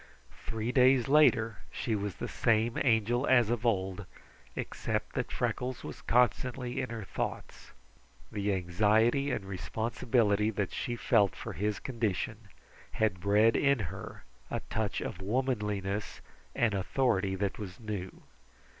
Three days later she was the same Angel as of old, except that Freckles was constantly in her thoughts. The anxiety and responsibility that she felt for his condition had bred in her a touch of womanliness and authority that was new.